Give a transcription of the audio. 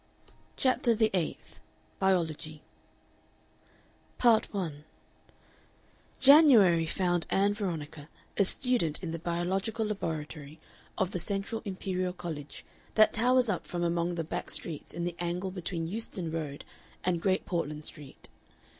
CHAPTER THE EIGHTH BIOLOGY Part 1 January found Ann Veronica a student in the biological laboratory of the Central Imperial College that towers up from among the back streets in the angle between Euston Road and Great Portland Street.